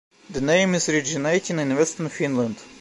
The name is originating in Western Finland.